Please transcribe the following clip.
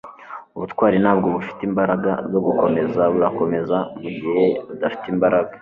ubutwari ntabwo bufite imbaraga zo gukomeza - burakomeza mugihe udafite imbaraga